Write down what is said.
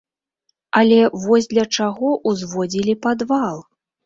Але вось для чаго ўзводзілі падвал?